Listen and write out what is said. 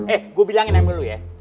eh gue bilangin aja dulu ya